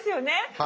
はい。